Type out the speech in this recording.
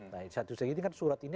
nah disitu kan surat ini ada dua tadi ya